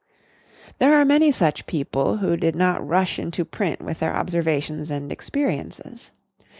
There are many such people who did not rush into print with their observations and experiences.